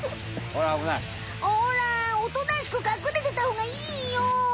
ほらおとなしくかくれてたほうがいいよ。